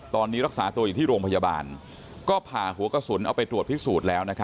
ตอนนี้รักษาตัวอยู่ที่โรงพยาบาลก็ผ่าหัวกระสุนเอาไปตรวจพิสูจน์แล้ว